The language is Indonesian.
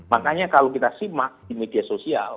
makanya kalau kita simak di media sosial